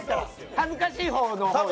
恥ずかしい方の言えば？